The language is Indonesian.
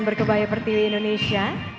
berkebaya pertiwi indonesia